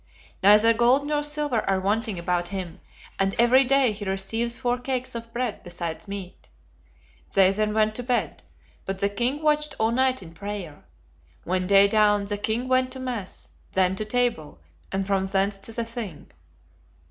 'Neither gold nor silver are wanting about him, and every day he receives four cakes of bread, besides meat.' They then went to bed; but the king watched all night in prayer. When day dawned the king went to mass; then to table, and from thence to the Thing.